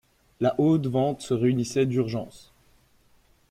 La Haute Vente se réunissait d'urgence.